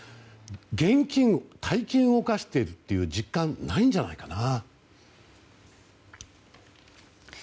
現金、大金を動かしているという実感はないんじゃないかな。